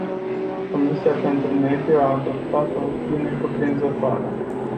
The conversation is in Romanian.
Comisia pentru mediu a adoptat o opinie cuprinzătoare.